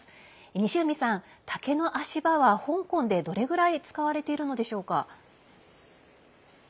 西海さん竹の足場は香港で、どれくらい使われているのでしょうか。